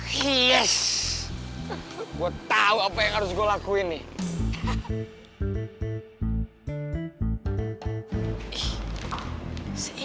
pokoknya kayaknya trouble enggak mau ia lebih gede